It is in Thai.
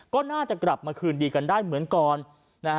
ก็น่าจะกลับมาคืนดีกันได้เหมือนก่อนนะฮะ